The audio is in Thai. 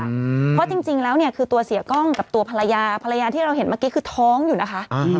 เพราะจริงแล้วเนี่ยคือตัวเสียกล้องกับตัวภรรยาภรรยาที่เราเห็นเมื่อกี้คือท้องอยู่นะคะ